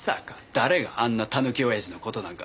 誰があんなたぬきオヤジの事なんか。